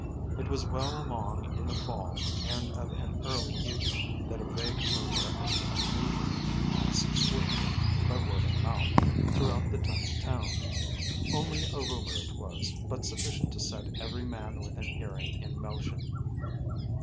It was well along in the fall and of an early evening that a vague rumor of the unusual passed swiftly, by word of mouth, throughout the tiny town. Only a rumor it was, but sufficient to set every man within hearing in motion.